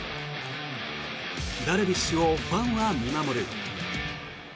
ダルビッシュをファンは見守る。